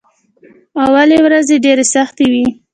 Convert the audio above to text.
اولې ورځې ډېرې سختې وې.